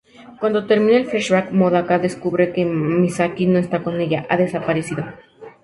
Cuando termina el flashback, Madoka descubre que Misaki no está con ella, ha desaparecido.